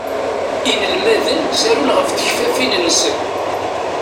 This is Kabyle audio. Inelmaden ttarun ɣef tekfafin-nsen.